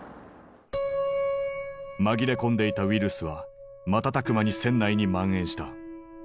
紛れ込んでいたウイルスは瞬く間に船内に蔓延した。